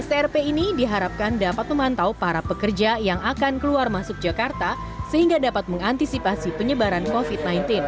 strp ini diharapkan dapat memantau para pekerja yang akan keluar masuk jakarta sehingga dapat mengantisipasi penyebaran covid sembilan belas